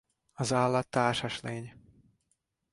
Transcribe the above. Az állat társas lény.